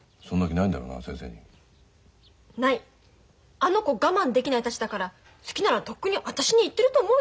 あの子我慢できないたちだから好きならとっくに私に言ってると思うよ。